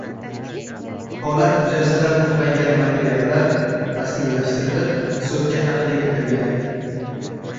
Holat yuzasidan to‘plangan materiallar rasmiylashtirilib, sudga taqdim etilgan